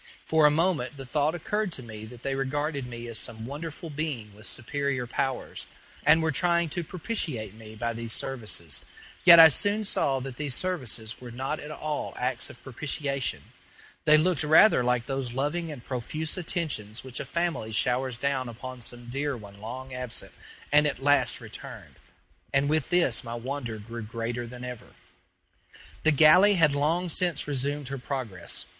For a moment the thought occurred to me that they regarded me as some wonderful being with superior powers, and were trying to propitiate me by these services; yet I soon saw that these services were not at all acts of propitiation; they looked rather like those loving and profuse attentions which a family showers down upon some dear one long absent and at last returned, and with this my wonder grew greater than ever. The galley had long since resumed her progress.